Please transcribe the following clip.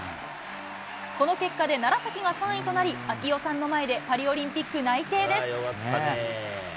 この結果で楢崎が３位となり、啓代さんの前で、パリオリンピック内定です。